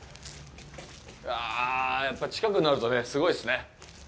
うわ、やっぱ近くになるとねすごいっすね。